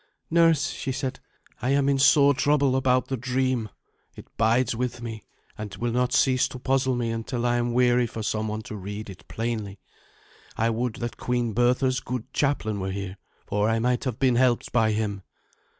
"Nurse," she said, "I am in sore trouble about the dream. It bides with me, and will not cease to puzzle me until I weary for some one to read it plainly. I would that Queen Bertha's good chaplain were here, for I might have been helped by him."